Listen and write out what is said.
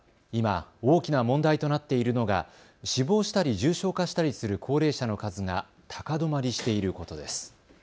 今、大きな問題となっているのが死亡したり重症化したりする高齢者の数が高止まりしていることです。